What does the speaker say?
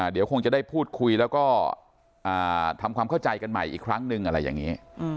เดี๋ยวคงจะได้พูดคุยแล้วก็ทำความเข้าใจกันใหม่อีกครั้งหนึ่งอะไรอย่างนี้